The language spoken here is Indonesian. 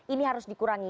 ini harus dikurangi